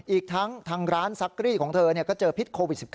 อีกทั้งทางร้านซักรีดของเธอก็เจอพิษโควิด๑๙